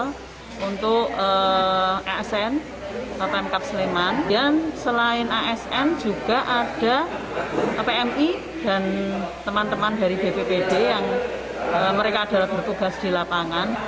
pertama asn dan selain asn juga ada pmi dan teman teman dari bpbd yang mereka ada berpugas di lapangan